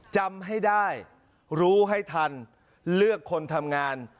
จำให้ได้รู้ให้ทันเลือกคนทำงาน